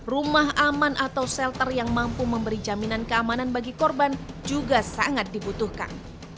rumah aman atau shelter yang mampu memberi jaminan keamanan bagi korban juga sangat dibutuhkan